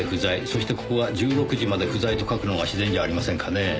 そしてここは「１６時まで不在」と書くのが自然じゃありませんかねえ。